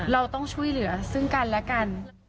เราต้องช่วยเหลือซึ่งกันและกัน